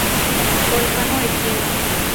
Volcano Science.